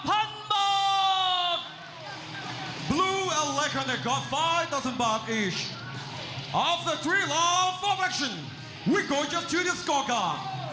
มุมแดกและมุมน้ำเงินรับไปเลย๕๐๐๐บาท